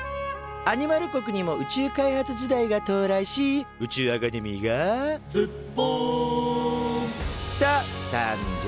アニマル国にも宇宙開発時代が到来し宇宙アカデミーが「ずっぽん」と誕生。